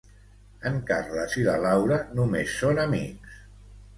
En Carles i la Laura només són amics.